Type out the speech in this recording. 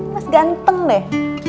mas ganteng deh